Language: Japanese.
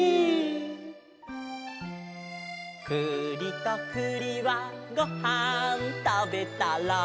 「くりとくりはごはんたべたら」